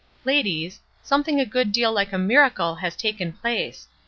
Ladies, something a good deal like a miracle has taken place.